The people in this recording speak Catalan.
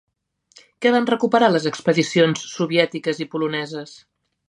Què van recuperar les expedicions soviètiques i poloneses?